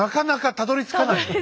たどりつけない。